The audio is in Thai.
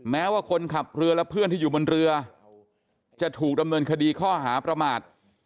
แม้ว่าคนขับเรือและเพื่อนที่อยู่บนเรือจะถูกดำเนินคดีข้อหาประมาท